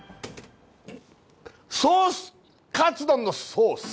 ソースカツ丼のソース